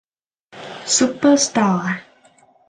ซุปเปอร์สตาร์